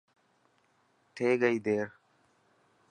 ٿي گئي دير.